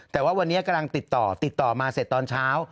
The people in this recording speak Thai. แต่ว่าวันนี้กำลังติดต่อติดต่อมาเสร็จตอนเช้า